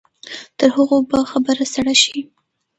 تر هغو به خبره سړه شي.